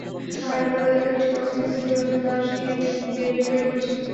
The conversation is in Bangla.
হায়দরাবাদ এলাকায় একটি ক্রসিংয়ে স্থানীয় লোকজন বাঁশ দিয়ে গেট ব্যারিয়ার তৈরি করেছেন।